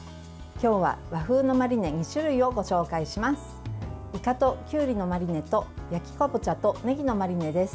今日は和風のマリネ２種類をご紹介します。